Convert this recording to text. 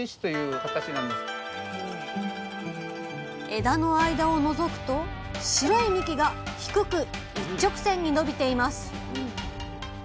枝の間をのぞくと白い幹が低く一直線に伸びています。